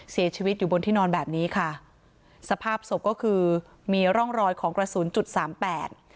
เสียชีวิตอยู่บนที่นอนแบบนี้ค่ะสภาพศพก็คือมีร่องรอยของกระสุนจุดสามแปด